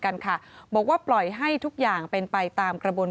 กันค่ะบอกว่าปล่อยให้ทุกอย่างเป็นไปตามกระบวน